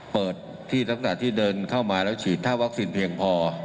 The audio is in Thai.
เปิดที่ตั้งแต่ที่เดินเข้ามาแล้วฉีดถ้าวัคซีนเพียงพอ